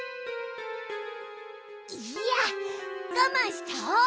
いいやがまんしちゃおう。